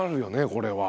これは。